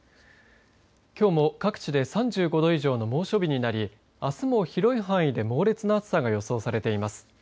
きょうも各地で３５度以上の猛暑日になりあすも広い範囲で猛烈な暑さが予想されています。